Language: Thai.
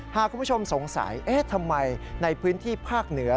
หากคุณผู้ชมสงสัยเอ๊ะทำไมในพื้นที่ภาคเหนือ